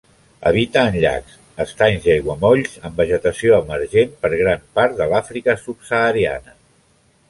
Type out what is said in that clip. Habita en llacs, estanys i aiguamolls amb vegetació emergent per gran part de l'Àfrica subsahariana.